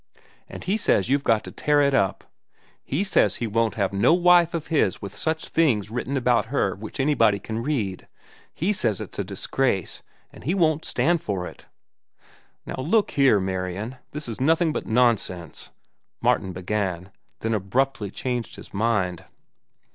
"And he says you've got to tear it up. He says he won't have no wife of his with such things written about her which anybody can read. He says it's a disgrace, an' he won't stand for it." "Now, look here, Marian, this is nothing but nonsense," Martin began; then abruptly changed his mind.